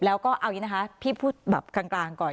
แล้วก็เอาอย่างนี้นะคะพี่พูดแบบกลางก่อน